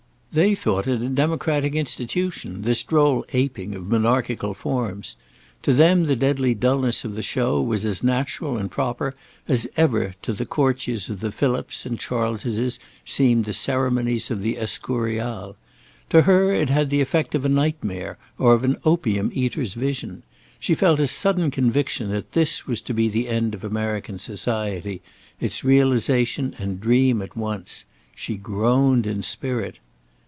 They thought it a democratic institution, this droll a ping of monarchical forms. To them the deadly dulness of the show was as natural and proper as ever to the courtiers of the Philips and Charleses seemed the ceremonies of the Escurial. To her it had the effect of a nightmare, or of an opium eater's vision, She felt a sudden conviction that this was to be the end of American society; its realisation and dream at once. She groaned in spirit.